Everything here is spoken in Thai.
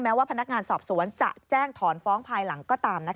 ว่าพนักงานสอบสวนจะแจ้งถอนฟ้องภายหลังก็ตาม